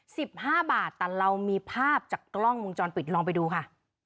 สิบห้าบาทแต่เรามีภาพจากกล้องวงจรปิดลองไปดูค่ะ